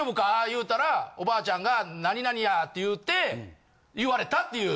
言うたらおばあちゃんが「何々や」って言うて言われたっていう。